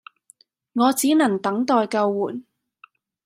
我只能能待救援